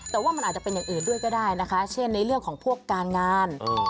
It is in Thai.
แต่ว่ามันอาจจะเป็นอย่างอื่นด้วยก็ได้นะคะเช่นในเรื่องของพวกการงาน